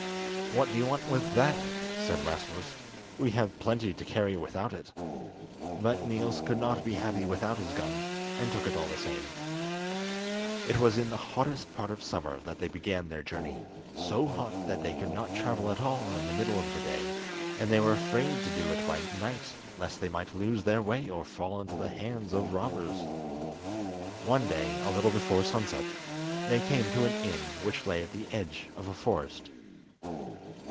"What do you want with that?" said Rasmus; "we have plenty to carry without it." But Niels could not be happy without his gun, and took it all the same. It was in the hottest part of summer that they began their journey, so hot that they could not travel at all in the middle of the day, and they were afraid to do it by night lest they might lose their way or fall into the hands of robbers. One day, a little before sunset, they came to an inn which lay at the edge of a forest.